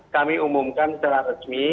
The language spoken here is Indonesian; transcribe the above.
kami umumkan secara resmi